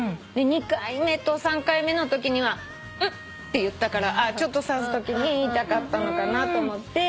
２回目と３回目のときにはんって言ったからちょっと刺すときに痛かったのかなと思って。